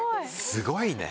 すごいね。